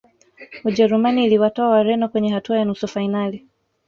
ujerumani iliwatoa wareno kwenye hatua ya nusu fainali